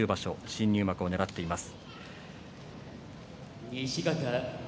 新入幕をねらいます。